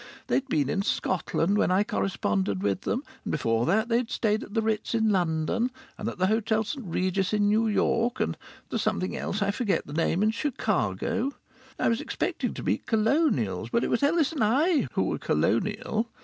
They'd been in Scotland when I corresponded with them, but before that they'd stayed at the Ritz in London, and at the Hotel St Regis in New York, and the something else I forget the name at Chicago. I was expecting to meet "Colonials," but it was Ellis and I who were "colonial."